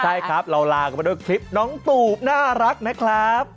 ใช่ครับเราลากันไปด้วยคลิปน้องตูบน่ารักนะครับ